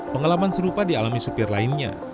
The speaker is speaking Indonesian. pengalaman serupa di alami supir lainnya